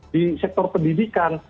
di sektor pendidikan